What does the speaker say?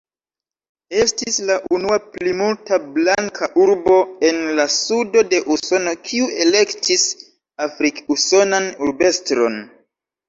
Estis la unua plimulta-blanka urbo en la Sudo de Usono kiu elektis afrik-usonan urbestron.